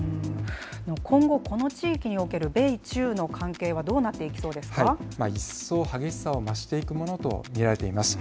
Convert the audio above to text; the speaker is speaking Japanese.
今後、この地域における米中の関係は一層激しさを増していくものと見られています。